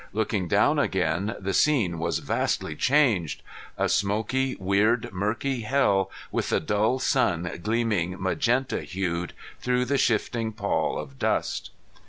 Looking down again the scene was vastly changed. A smoky weird murky hell with the dull sun gleaming magenta hued through the shifting pall of dust!